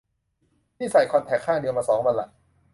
นี่ใส่คอนแทคข้างเดียวมาสองวันละ